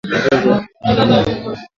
Utaratibu wa mwongozo ya ngamia